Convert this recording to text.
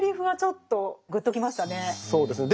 そうですね。